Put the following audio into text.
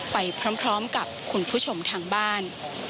ไปพร้อมกับคุณผู้ชมทางบ้าน